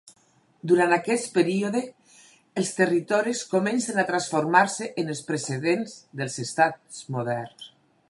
Durant aquest període, els territoris comencen a transformar-se en els precedents dels estats moderns.